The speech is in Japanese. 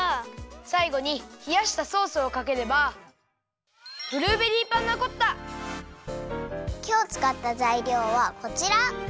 さいごにひやしたソースをかければきょうつかったざいりょうはこちら。